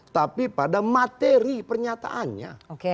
tapi pada materi pernyataannya